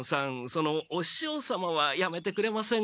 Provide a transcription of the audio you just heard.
その「おししょう様」はやめてくれませんか？